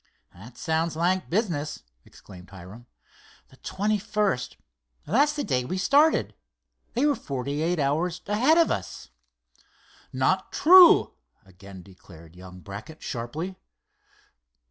'" "That sounds like business," exclaimed Hiram. "The twenty first. That's the day we started. They were forty eight hours ahead of us." "Not true!" again declared young Brackett, sharply.